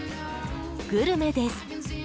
グルメです。